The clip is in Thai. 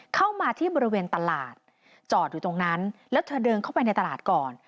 เข้ามาที่บริเวณตลาดจอดอยู่ตรงนั้นแล้วเธอเดินเข้าไปในตลาดก่อน